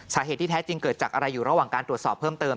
สาเหตุที่แท้จริงเกิดจากอะไรอยู่ระหว่างการตรวจสอบเพิ่มเติม